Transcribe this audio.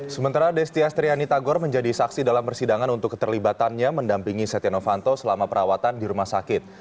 sementara destiastriani tagor menjadi saksi dalam persidangan untuk keterlibatannya mendampingi setia novanto selama perawatan di rumah sakit